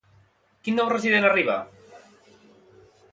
Quin nou resident arriba?